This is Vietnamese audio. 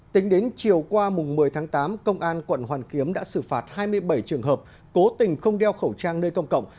tính đến chiều qua một mươi tháng tám công an quận hoàn kiếm đã xử phạt hai mươi bảy trường hợp cố tình không đeo khẩu trang nơi công cộng